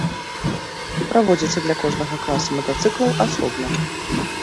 Праводзяцца для кожнага класа матацыклаў асобна.